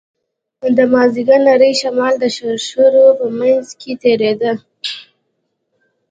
د مازديګر نرى شمال د شرشرو په منځ کښې تېرېده.